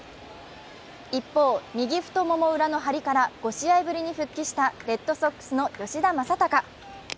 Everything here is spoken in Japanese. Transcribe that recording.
一方、右太もも裏の張りから５試合ぶりに復帰したレッドソックスの吉田正尚。